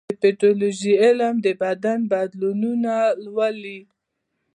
د پیتالوژي علم د بدن بدلونونه لولي.